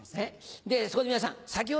そこで皆さん先ほどのね